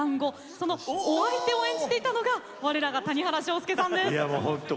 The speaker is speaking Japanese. そのお相手を演じていたのがわれらが谷原章介さんです。